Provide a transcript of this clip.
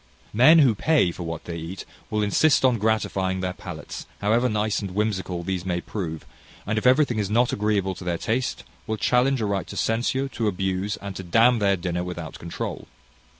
Men who pay for what they eat will insist on gratifying their palates, however nice and whimsical these may prove; and if everything is not agreeable to their taste, will challenge a right to censure, to abuse, and to d n their dinner without controul.